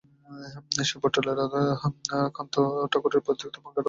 সে বটতলায় রাধাকান্ত ঠাকুরের পরিত্যক্ত ভাঙা রথের মধ্যে গিয়া বসিয়া ছিল।